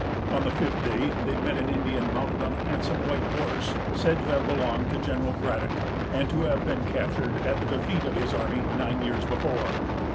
On the fifth day, they met an Indian mounted on a handsome white horse, said to have belonged to General Braddock, and to have been captured at the defeat of his army, nine years before.